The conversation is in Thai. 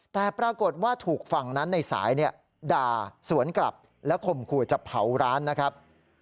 แต่ปรากฏว่าถูกฝั่งนั้นในสายด่าสวนกลับและข่มขู่จะเผาร้านนะครับ